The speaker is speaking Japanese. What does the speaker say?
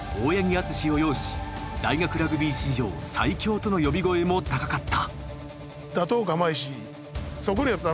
淳史を擁し大学ラグビー史上最強との呼び声も高かった。